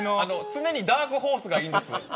常にダークホースがいいんです。